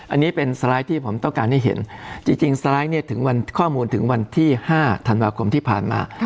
อันนี้เป็นสไลด์ที่ผมต้องการให้เห็นจริงสไลด์เนี่ยถึงวันข้อมูลถึงวันที่๕ธันวาคมที่ผ่านมา